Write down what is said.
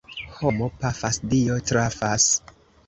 Homo pafas, Dio trafas.